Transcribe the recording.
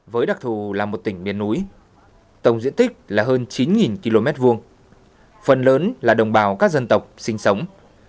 với đặc thù là một tỉnh miền núi tổng diện tích là hơn chín km hai phần lớn là đồng bào các dân tộc sinh sống